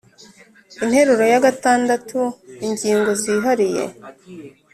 interuro ya gatandatu ingingo zihariye